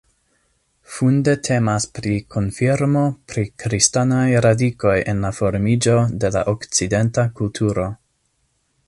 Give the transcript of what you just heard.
Funde temas pri konfirmo pri kristanaj radikoj en la formiĝo de la okcidenta kulturo.